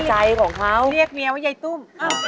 อ้าวยายตุ้ม